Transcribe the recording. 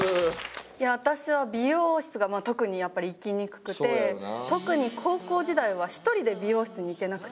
私は美容室が特にやっぱり行きにくくて特に高校時代は１人で美容室に行けなくて。